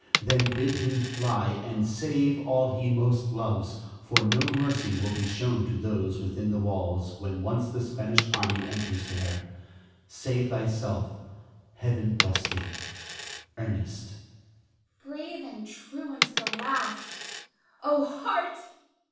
Then bid him fly, and save all he most loves, for no mercy will be shown to those within the walls when once the Spanish army enters there. Save thyself. Heaven bless thee. Ernest. Brave and true unto the last! O heart!